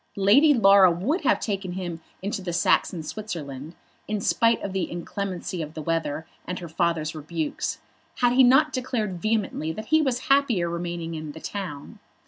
Lady Laura would have taken him into the Saxon Switzerland, in spite of the inclemency of the weather and her father's rebukes, had he not declared vehemently that he was happier remaining in the town.